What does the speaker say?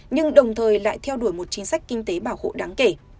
nhưng đồng thời lại theo đuổi một chính sách kinh tế bảo hộ đáng kể